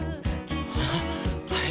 あっはい。